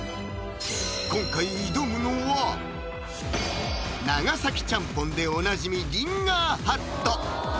今回長崎ちゃんぽんでおなじみリンガーハット